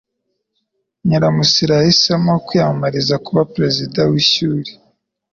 Nyiramurasira yahisemo kwiyamamariza kuba perezida w’ishuri